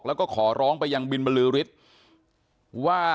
แล้วก็ขอร้องไปยังบินบรือฤทธิ์ว่า